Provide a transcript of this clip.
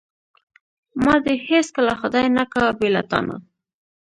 ما دې هیڅکله خدای نه کا بې له تانه.